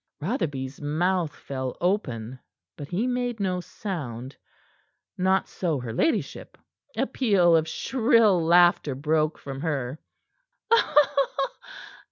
Rotherby's mouth fell open, but he made no sound. Not so her ladyship. A peal of shrill laughter broke from her.